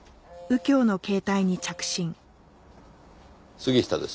杉下です。